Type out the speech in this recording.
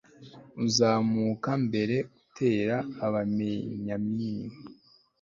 uzazamuka mbere gutera ababenyamini